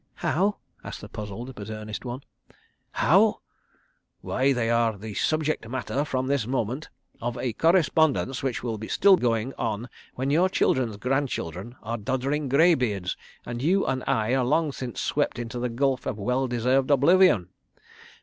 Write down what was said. "How?" asked the puzzled but earnest one. "How? ... Why they are the subject matter, from this moment, of a Correspondence which will be still going on when your children's grandchildren are doddering grey beards, and you and I are long since swept into the gulf of well deserved oblivion.